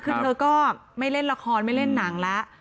คือเธอก็ไม่เล่นละครไม่เล่นหนังแล้ว